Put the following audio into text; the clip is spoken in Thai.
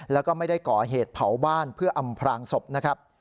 แล้วก็ไม่ได้ก่อเหตุเผาบ้านเพื่ออำพลางศพนะครับ